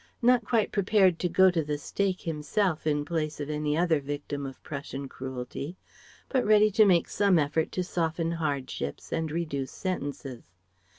Not quite prepared to go to the stake himself in place of any other victim of Prussian cruelty, but ready to make some effort to soften hardships and reduce sentences.